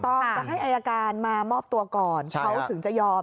ต้องจะให้อายการมามอบตัวก่อนเขาถึงจะยอม